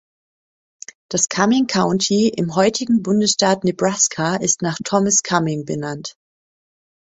Das Cuming County im heutigen Bundesstaat Nebraska ist nach Thomas Cuming benannt.